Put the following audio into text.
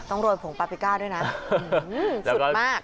โรยผงปาปิก้าด้วยนะสุดมาก